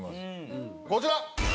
こちら！